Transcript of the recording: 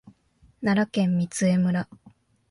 奈良県御杖村